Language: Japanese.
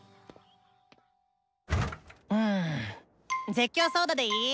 絶叫ソーダでいい？